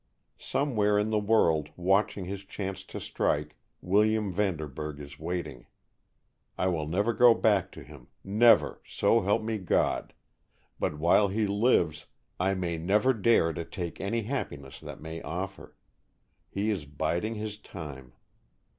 Somewhere in the world, watching his chance to strike, William Vanderburg is waiting. I will never go back to him, never, so help me God, but while he lives, I will never dare to take any happiness that may offer. He is biding his time.